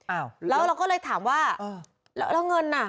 อ้าวแล้วเราก็เลยถามว่าแล้วเงินน่ะ